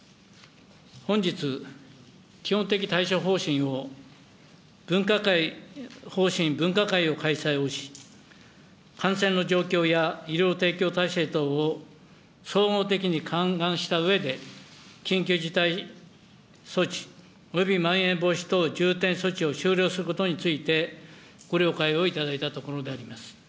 本日、基本的対処方針を分科会方針、開催し、感染の状況や医療提供体制等を総合的に勘案したうえで、緊急事態措置およびまん延防止等重点措置を終了することについて、ご了解をいただいたところであります。